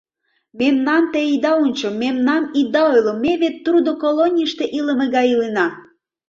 — Мемнам те ида ончо, мемнам ида ойло, ме вет трудколонийыште илыме гай илена.